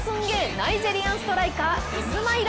ナイジェリアンストライカー、イスマイラ！